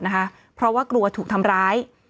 เพราะว่ากลัวถูกทำร้าย